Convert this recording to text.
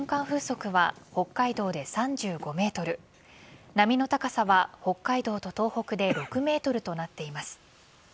風速は北海道で３５メートル波の高さは北海道と東北で６ｍとなっています。